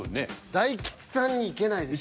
大吉さんにいけないでしょ。